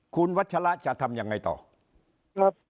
คุณวัชชาละจะทำอย่างไรทอง